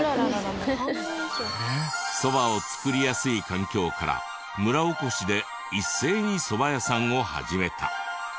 そばを作りやすい環境から村おこしで一斉にそば屋さんを始めた。